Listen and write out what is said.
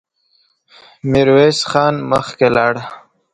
ميرويس خان مخکې لاړ.